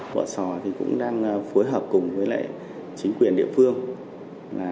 vỏ sò thì cũng đang phối hợp cùng với lại chính quyền địa phương